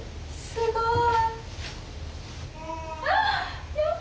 すごい。